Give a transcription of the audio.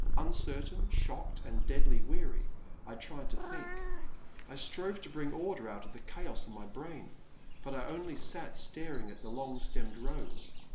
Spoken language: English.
Uncertain, shocked, and deadly weary, I tried to think, — I strove to bring order out of the chaos in my brain, but I only sat staring at the long stemmed rose.